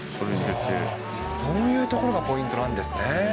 そういうところがポイントな